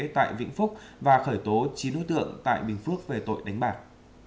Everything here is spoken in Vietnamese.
tại vĩnh phúc và khởi tố chín đối tượng tại bình phước về tội đánh bạc